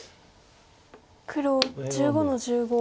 黒１５の十五。